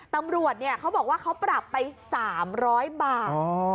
ตำรวจเขาบอกว่าเขาปรับไป๓๐๐บาท